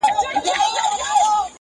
صبر وکړه لا دي زمانه راغلې نه ده~